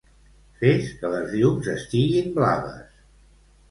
Fes que les llums estiguin blaves.